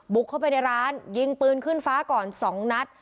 เข้าไปในร้านยิงปืนขึ้นฟ้าก่อน๒นัด